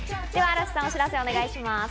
嵐さん、お知らせをお願いします。